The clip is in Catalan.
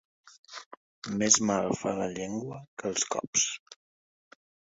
Més mal fa la llengua que els cops.